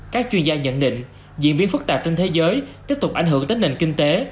các chuyên gia nhận định diễn biến phức tạp trên thế giới tiếp tục ảnh hưởng tới nền kinh tế